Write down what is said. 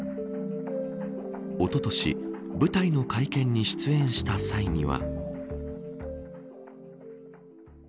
おととし舞台の会見に出演した際には。